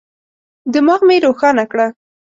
دماغ مي روښانه کړه.